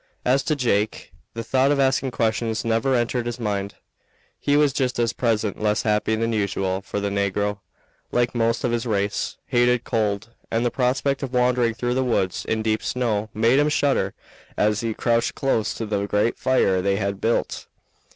As to Jake, the thought of asking questions never entered his mind. He was just at present less happy than usual, for the negro, like most of his race, hated cold, and the prospect of wandering through the woods in deep snow made him shudder as he crouched close to the great fire they had built.